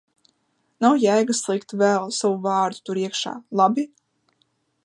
Nav jēgas likt vēl savu vārdu tur iekšā, labi?